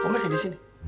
kok masih di sini